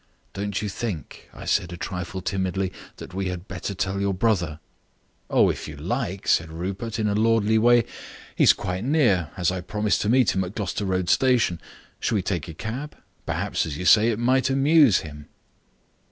"Don't you think," I said a trifle timidly, "that we had better tell your brother?" "Oh, if you like," said Rupert, in a lordly way. "He is quite near, as I promised to meet him at Gloucester Road Station. Shall we take a cab? Perhaps, as you say, it might amuse him."